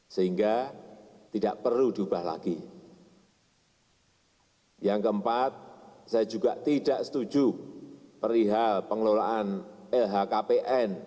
sehingga tidak perlu diubah lagi yang keempat saya juga tidak setuju perihal pengelolaan lhkpn